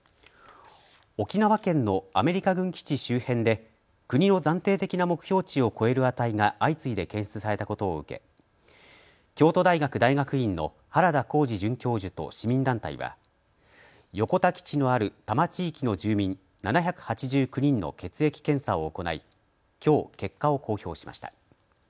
沖縄県のアメリカ軍基地周辺で国の暫定的な目標値を超える値が相次いで検出されたことを受け、京都大学大学院の原田浩二准教授と市民団体は横田基地のある多摩地域の住民７８９人の血液検査を行いきょう結果を公表しました。